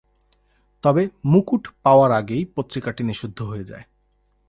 তবে 'মুকুট' পাওয়ার আগেই পত্রিকাটি নিষিদ্ধ হয়ে যায়।